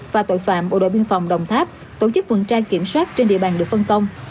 và tội phạm bộ đội biên phòng đồng tháp tổ chức tuần tra kiểm soát trên địa bàn được phân công